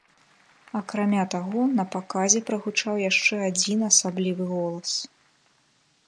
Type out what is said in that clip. Акрамя таго, на паказе прагучаў яшчэ адзін, асаблівы голас.